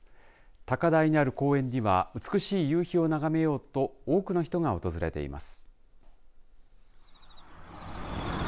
高台にある公園には美しい夕日を眺めようと多くの人が訪れています。